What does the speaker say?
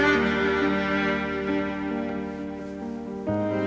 andin masih di kamar